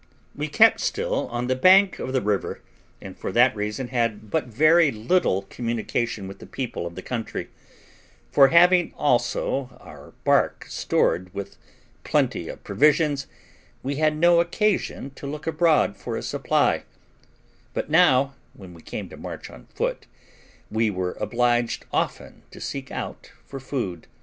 We kept still on the bank of the river, and for that reason had but very little communication with the people of the country; for, having also our bark stored with plenty of provisions, we had no occasion to look abroad for a supply; but now, when we came to march on foot, we were obliged often to seek out for food.